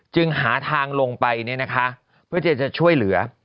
จึงหาทางลงไปเพื่อที่จะช่วยเหลือ